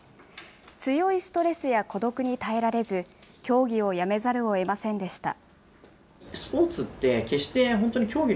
強いストレスや孤独に耐えられず、競技をやめざるをえませんでした。